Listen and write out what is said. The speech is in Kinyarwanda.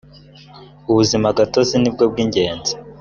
ubuzima gatozi nibwo bwigenzi.